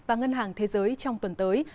và ngân hàng thế giới trong tuần tới